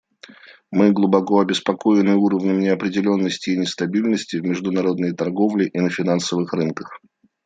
Мы глубоко обеспокоены уровнем неопределенности и нестабильности в международной торговле и на финансовых рынках.